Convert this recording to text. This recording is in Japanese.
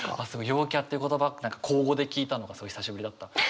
「陽キャ」っていう言葉口語で聞いたのがすごい久しぶりだったので。